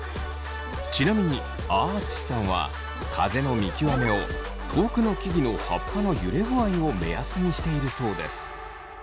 ちなみにあああつしさんは風の見極めを遠くの木々の葉っぱの揺れ具合を目安にしているそうです。